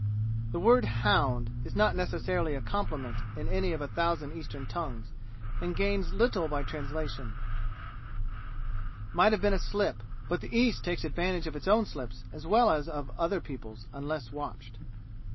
The word "hound" is not necessarily a compliment in any of a thousand Eastern tongues and gains little by translation. It might have been a slip, but the East takes advantage of its own slips as well as of other peoples' unless watched.